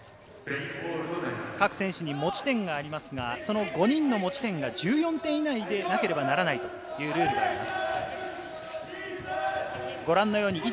各選手に持ち点がありますが、その５人の持ち点が１４点以内でなければならないというルールがあります。